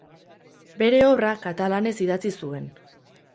Bere obra katalanez idatzi zuen.